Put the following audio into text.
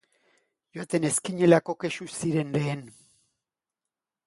Joaten ez ginelako kexu ziren lehen.